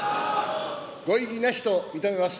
ご異議なしと認めます。